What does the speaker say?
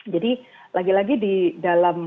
jadi lagi lagi di dalam